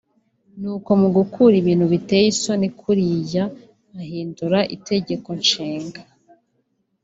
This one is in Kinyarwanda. ni uko mu gukora ibintu biteye isoni kuriya ahindura itegeko nshinga